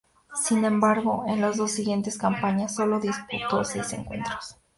Sin embargo, en las dos siguientes campañas, sólo disputó seis encuentros.